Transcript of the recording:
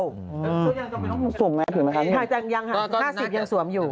ยังต้องไปต้องสวมไหมถึงไหมคะนี่ต้องสวม